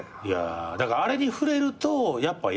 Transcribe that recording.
だからあれに触れるとやっぱヤバいよ。